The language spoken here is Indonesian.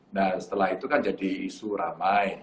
nah setelah itu kan jadi isu ramai